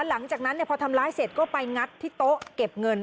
หลังจากนั้นพอทำร้ายเสร็จก็ไปงัดที่โต๊ะเก็บเงิน